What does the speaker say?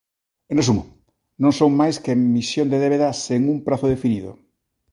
En resumo, non son máis que emisión de débeda sen un prazo definido.